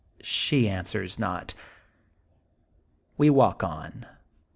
She answers not. We walk on.